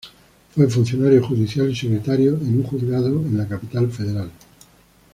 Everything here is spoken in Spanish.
Fue funcionario judicial y secretario en un juzgado en la Capital Federal.